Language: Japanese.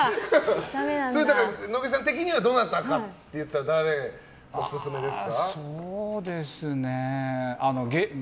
だから、野口さん的にはどなたかっていったら誰がオススメですか？